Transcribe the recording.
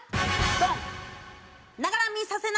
ドン！